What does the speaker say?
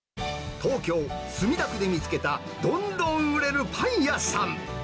東京・墨田区で見つけた、どんどん売れるパン屋さん。